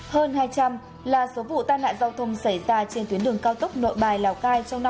hơn hai trăm linh là số vụ tai nạn giao thông xảy ra trên tuyến đường cao tốc nội bài lào cai trong năm hai nghìn hai mươi